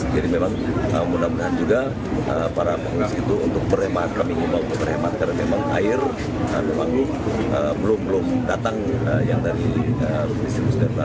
jadi memang mudah mudahan juga para pengungsi itu untuk berhemat karena memang air memang belum belum datang yang dari distribusi data